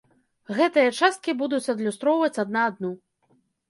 Гэтыя часткі будуць адлюстроўваць адна адну.